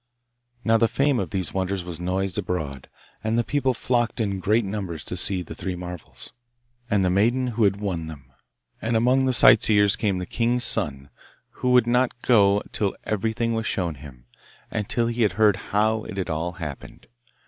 Now the fame of these wonders was noised abroad, and the people flocked in great numbers to see the three marvels, and the maiden who had won them; and among the sightseers came the king's son, who would not go till everything was shown him, and till he had heard how it had all happened.